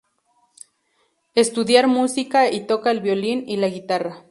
Estudiar música y toca el violín y la guitarra.